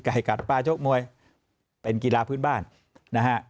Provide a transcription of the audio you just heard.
ให้กัดปลาชกมวยเป็นกีฬาพื้นบ้านนะฮะ